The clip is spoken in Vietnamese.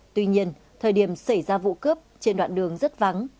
tuy nhiên thời điểm xảy ra vụ cướp trên đoạn đường rất vắng